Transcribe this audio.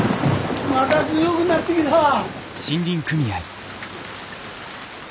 まだ強ぐなってきた。